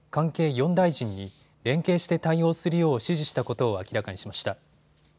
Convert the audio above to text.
４大臣に連携して対応するよう指示したことを明らかにしました。